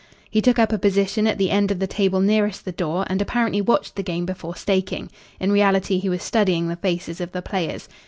He took up a position at the end of the table nearest the door, and apparently watched the game before staking. In reality he was studying the faces of the players.